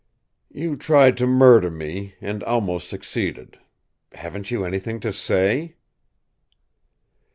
"You tried to murder me and almost succeeded. Haven't you anything to say?"